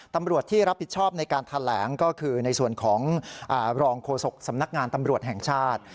ตำรวจที่รับผิดชอบในการแถลงก็คือในส่วนของรองโฆษกสำนักงานตำรวจแห่งชาติ